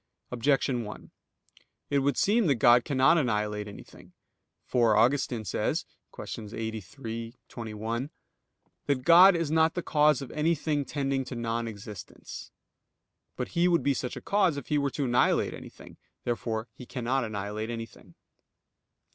Objection 1: It would seem that God cannot annihilate anything. For Augustine says (QQ. 83, qu. 21) that "God is not the cause of anything tending to non existence." But He would be such a cause if He were to annihilate anything. Therefore He cannot annihilate anything.